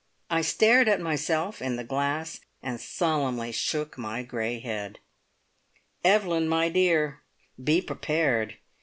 I stared at myself in the glass and solemnly shook my grey head. "Evelyn, my dear, be prepared!